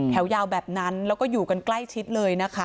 แถวยาวแบบนั้นแล้วก็อยู่กันใกล้ชิดเลยนะคะ